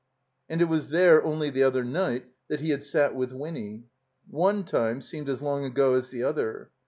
And it was there, only the other night, that he had sat with Winny. One time seemed as long ago as the other.